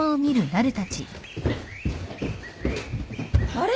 あれ？